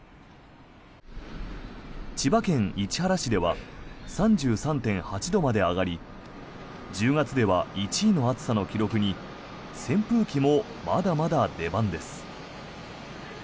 千葉県市原市では３３．８度まで上がり１０月では１位の暑さの記録に扇風機もまだまだ出番です。